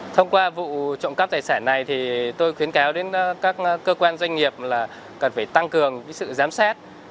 thông qua vụ trộm cắp tài sản này thì tôi khuyến cáo đến các cơ quan doanh nghiệp là cần phải tăng cường sự giám sát